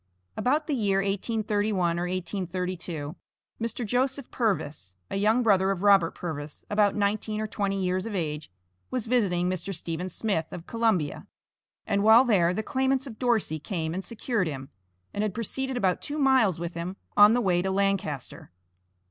About the year 1831 or 1832, Mr. Joseph Purvis, a younger brother of Robert Purvis, about nineteen or twenty years of age, was visiting Mr. Stephen Smith, of Columbia, and while there the claimants of Dorsey came and secured him, and had proceeded about two miles with him on the way to Lancaster.